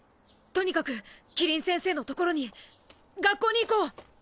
とにかく希林先生のところに学校に行こう！